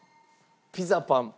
ピザパン。